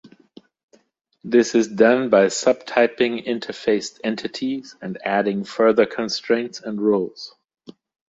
This is done by subtyping interfaced entities and adding further constraints and rules.